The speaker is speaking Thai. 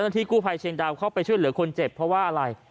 ที่กู้ภัยเชียงดาวเข้าไปช่วยเหลือคนเจ็บเพราะว่าอะไร